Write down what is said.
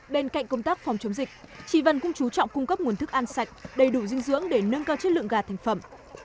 bên cạnh công tác phòng chống dịch chị vân cũng chú trọng cung cấp nguồn thức ăn sạch đầy đủ dinh dưỡng để nâng cao chất lượng gà thành phẩm